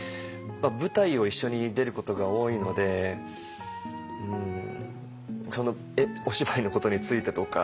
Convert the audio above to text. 舞台を一緒に出ることが多いのでそのお芝居のことについてとか。